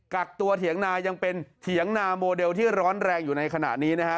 เถียงนายังเป็นเถียงนาโมเดลที่ร้อนแรงอยู่ในขณะนี้นะฮะ